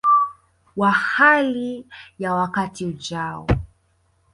wa hali ya wakati ujao